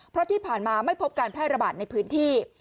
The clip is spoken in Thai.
เพราะที่ผ่านมาไม่พบการแพร่ระบาดในพื้นที่